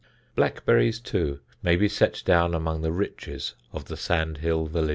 Blackberries too may be set down among the riches of the sand hill villages.